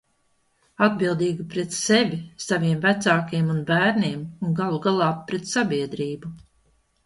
Atbildīgi pret sevi, saviem vecākiem un bērniem, un galu galā pret sabiedrību.